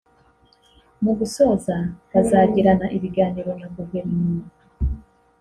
Mu gusoza bazagirana ibiganiro na Guverinoma